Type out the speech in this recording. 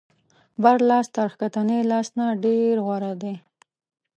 بر لاس تر ښکتني لاس نه ډېر غوره دی.